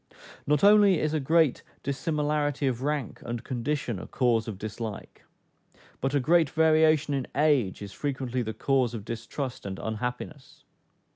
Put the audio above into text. Not only is a great dissimilarity of rank and condition a cause of dislike, but a great variation in age is frequently the cause of distrust and unhappiness.